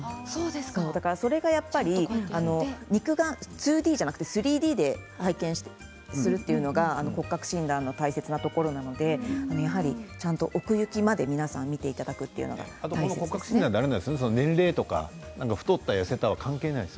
それがやっぱり、肉眼で２Ｄではなく、３Ｄで判定するというのが骨格診断の大切なところなので奥行きまで皆さん見ていただくというのが大切です。